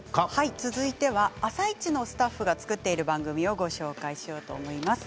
続いては「あさイチ」のスタッフが作っている番組をご紹介しようと思います。